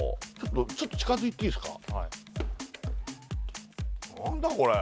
ちょっと近づいていいですか？